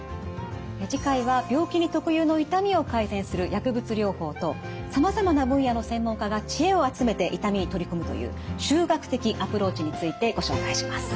次回は病気に特有の痛みを改善する薬物療法とさまざまな分野の専門家が知恵を集めて痛みに取り組むという集学的アプローチについてご紹介します。